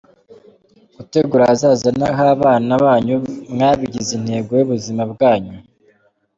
Gutegura ahazaza h’abana banyu mwabigize intego y’ubuzima bwanyu.